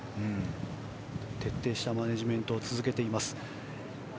徹底したマネジメントを続けている中島。